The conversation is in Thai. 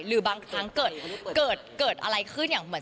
หรือบางทั้งเกิดอะไรขึ้น